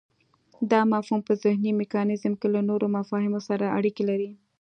دا مفهوم په ذهني میکانیزم کې له نورو مفاهیمو سره اړیکی لري